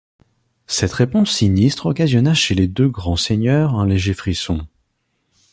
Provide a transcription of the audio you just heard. Cette réponse sinistre occasionna chez les deux grands seigneurs un léger frisson.